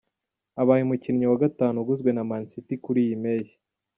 Abaye umukinnyi wa gatanu uguzwe na Man City kuri iyi mpeshyi.